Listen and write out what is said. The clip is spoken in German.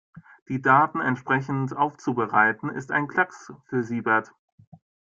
Die Daten entsprechend aufzubereiten, ist ein Klacks für Siebert.